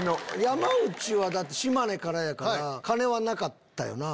山内は島根からやから金はなかったよな？